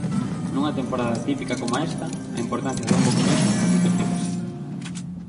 Nunha temporada atípica coma esta, a importancia dun bo comezo multiplícase.